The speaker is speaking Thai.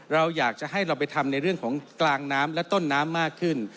เราอยากจะให้เราไปทำในเรื่องของกลางน้ำและต้นน้ำมากขึ้น